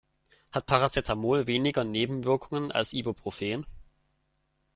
Hat Paracetamol weniger Nebenwirkungen als Ibuprofen?